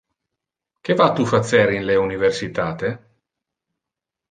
Que va tu facer in le universitate?